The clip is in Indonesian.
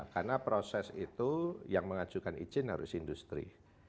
karena proses itu yang mengajukan izin harus industri